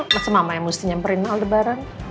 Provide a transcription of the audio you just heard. masa mama yang mesti nyamperin aldebaran